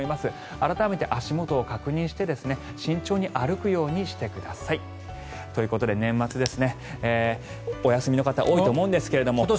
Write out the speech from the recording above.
改めて足元を確認して慎重に歩くようにしてください。ということで年末お休みの方多いと思うんですが。